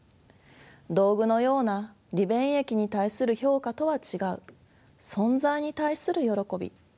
「道具」のような利便益に対する評価とは違う「存在」に対するよろこび。